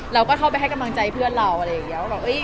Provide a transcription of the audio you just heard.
เราก็เข้าไปให้กำลังใจเพื่อนเราอะไรอย่างนี้